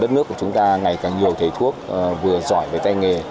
đất nước của chúng ta ngày càng nhiều thầy thuốc vừa giỏi về tay nghề